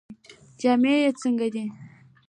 جامې یې څنګه دي؟